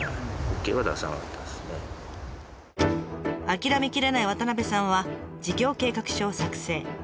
諦めきれない渡部さんは事業計画書を作成。